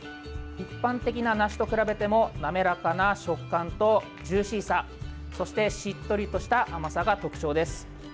一般的な梨と比べても滑らかな食感とジューシーさそして、しっとりとした甘さが特徴です。